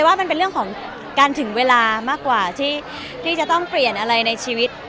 ว่ามันเป็นเรื่องของการถึงเวลามากกว่าที่จะต้องเปลี่ยนอะไรในชีวิต